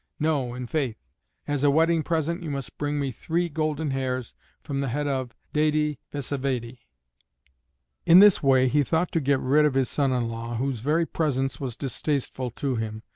No, i' faith! As a wedding present you must bring me three golden hairs from the head of Dède Vsévède." In this way he thought to get rid of his son in law, whose very presence was distasteful to him.